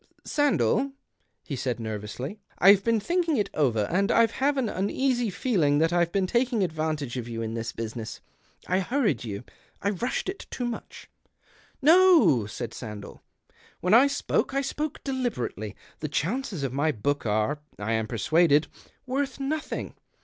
" Sandell," he said nervously, " I've been thinking it over, and I've have an uneasy feeling that I've been taking advantage of you in this business. I hurried you. I rushed it too much." "No," said Sandell. "When I spoke, I spoke deliberately. The chances of my book are, I am persuaded, worth nothing.